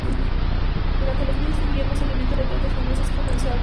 Durante los meses de invierno, se alimentan de plantas leñosas como el saúco.